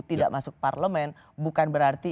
tidak masuk parlemen bukan berarti